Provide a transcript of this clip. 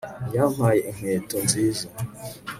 yampaye inkweto nziza